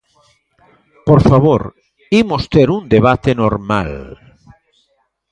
Por favor, imos ter un debate normal.